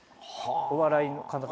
お笑いの方とか。